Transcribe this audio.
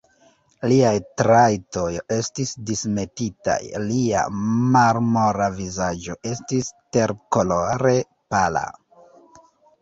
Liaj trajtoj estis dismetitaj; lia marmora vizaĝo estis terkolore pala.